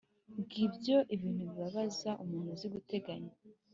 Ngibyo ibintu bibabaza umuntu uzi guteganya: